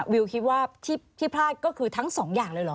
วิวคิดว่าที่พลาดก็คือทั้งสองอย่างเลยเหรอ